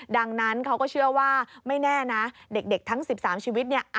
ดังนั้นเขาก็เชื่อว่าไม่แน่นะเด็กทั้ง๑๓ชีวิตเนี่ย